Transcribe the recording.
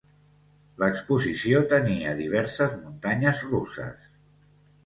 L'exposició tenia diverses muntanyes russes.